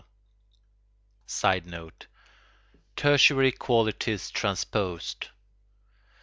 [Sidenote: Tertiary qualities transposed.